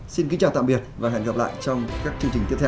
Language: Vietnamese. xin kính chào tạm biệt và hẹn gặp lại trong các chương trình tiếp theo